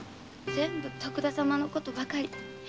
全部徳田様のことばかり。